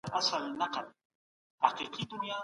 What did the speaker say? ميرمن د خاوند په اجازه وتلای سي.